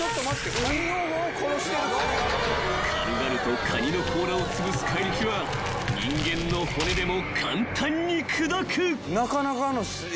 ［軽々とカニの甲羅をつぶす怪力は人間の骨でも簡単に砕く］